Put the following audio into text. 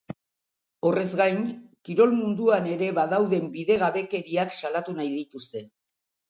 Horrez gain, kirol munduan ere badauden bidegabekeriak salatu nahi dituzte.